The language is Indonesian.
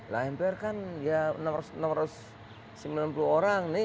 nah mpr kan enam ratus sembilan puluh orang nih